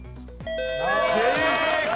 正解！